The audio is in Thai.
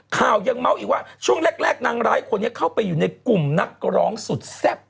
ข่าวยังเมาส์อีกว่าช่วงแรกนางร้ายคนนี้เข้าไปอยู่ในกลุ่มนักร้องสุดแซ่บ